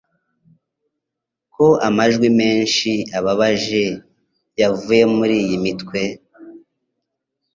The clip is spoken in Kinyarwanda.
ko amajwi menshi ababaje yavuye muriyi mitwe